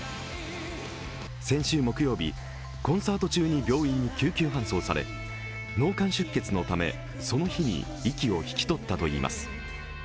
先週木曜日、コンサート中に病院に救急搬送され脳幹出血のため、その日に息を引き取ったといいます。